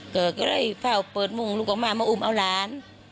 ก็เลยพ่อเปิดมุงลูกออกมามาอุ้มเอาร้าน